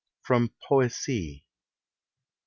FROM "POESIE."